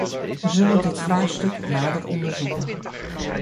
Wij zullen dit vraagstuk nader onderzoeken.